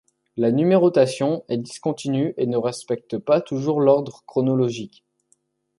La numérotation est discontinue et ne respecte pas toujours l'ordre chronologique.